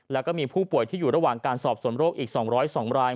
แล้วก็มีผู้ป่วยที่อยู่ระหว่างการสอบส่วนโรคอีก๒๐๒ราย